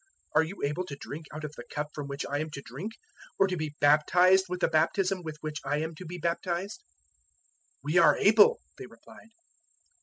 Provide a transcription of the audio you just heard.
Are you able to drink out of the cup from which I am to drink, or to be baptized with the baptism with which I am to be baptized?" 010:039 "We are able," they replied.